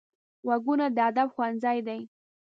غوږونه د ادب ښوونځی دي